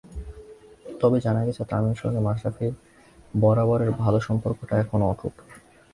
তবে জানা গেছে, তামিমের সঙ্গে মাশরাফির বরাবরের ভালো সম্পর্কটা এখনো অটুট।